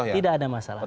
tidak ada masalah